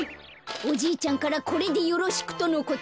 おじいちゃんから「これでよろしく」とのことです。